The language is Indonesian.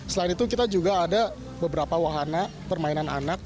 selain itu kita juga ada beberapa wahana permainan anak